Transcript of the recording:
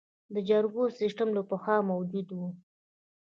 د جرګو سیسټم له پخوا موجود و